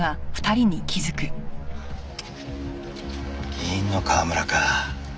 議員の川村か。